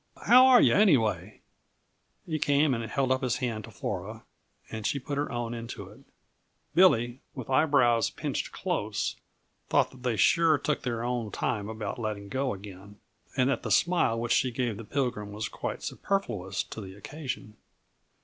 How are yuh, anyhow?" He came and held up his hand to Flora, and she put her own into it. Billy, with eyebrows pinched close, thought that they sure took their own time about letting go again, and that the smile which she gave the Pilgrim was quite superfluous to the occasion.